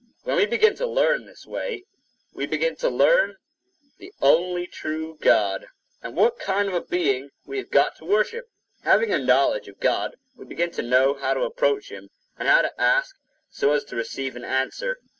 When we begin to learn this way, we begin to learn the only true God, and what kind of a being we have got to worship. Having a knowledge of God, we begin to know how to approach him, and how to ask so as to receive an answer.